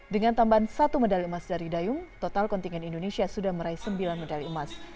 dengan tambahan satu medali emas dari dayung total kontingen indonesia sudah meraih sembilan medali emas